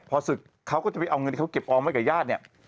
พอศึกเขาก็จะไปเอาเงินที่เขาเก็บออมไว้กับญาติเนี่ย